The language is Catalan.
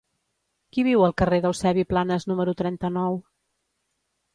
Qui viu al carrer d'Eusebi Planas número trenta-nou?